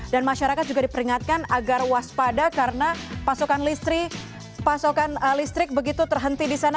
dan masyarakat juga diperingatkan agar waspada karena pasokan listrik begitu terhenti di sana